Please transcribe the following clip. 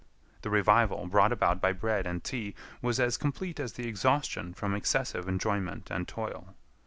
The revival brought about by bread and tea was as complete as the exhaustion from excessive enjoyment and toil.